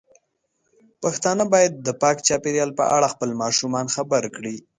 پښتانه بايد د پاک چاپیریال په اړه خپل ماشومان خبر کړي.